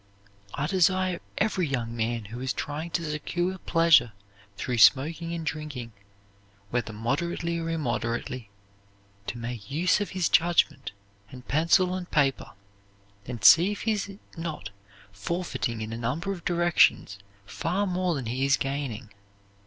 I desire every young man who is trying to secure pleasure through smoking and drinking, whether moderately or immoderately, to make use of his judgment, and pencil and paper, and see if he is not forfeiting in a number of directions far more than he is gaining."